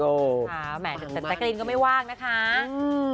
ค่ะแต่กะลินก็ไม่ว่างนะคะอืมอืมอ่ามากมากมาก